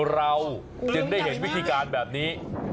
เราจึงได้เห็นวิธีการแบบนี้